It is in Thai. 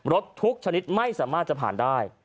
รถทุกชนิดไม่สามารถจะผ่านได้